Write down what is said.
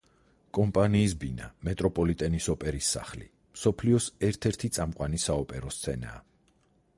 კომპანიის ბინა მეტროპოლიტენის ოპერის სახლი მსოფლიოს ერთ-ერთი წამყვანი საოპერო სცენაა.